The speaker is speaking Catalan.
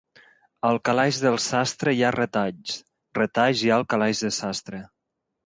Al calaix del sastre hi ha retalls, retalls hi ha al calaix de sastre.